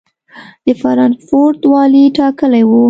د فرانکفورټ والي ټاکلی و.